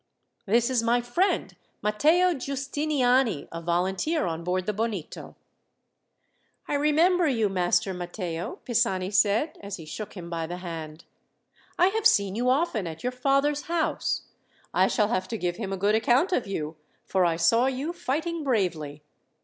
This is my friend, Matteo Giustiniani, a volunteer on board the Bonito." "I remember you, Master Matteo," Pisani said, as he shook him by the hand. "I have seen you often at your father's house. I shall have to give him a good account of you, for I saw you fighting bravely.